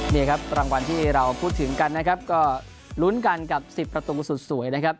นี่ครับรางวัลที่เราพูดถึงกันนะครับก็ลุ้นกันกับ๑๐ประตูสุดสวยนะครับ